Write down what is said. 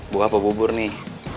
buah apa bubur nih